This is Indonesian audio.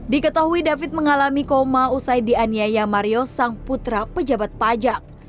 diketahui david mengalami koma usai dianiaya mario sang putra pejabat pajak